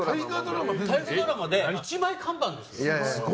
大河ドラマで一枚看板ですよ。